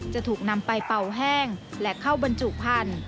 จะถูกนำไปเป่าแห้งและเข้าบรรจุพันธุ